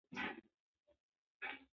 يو وخت يوه تېره کوکه پورته شوه.